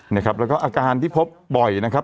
นะครับแล้วก็อาการที่พบบ่อยนะครับ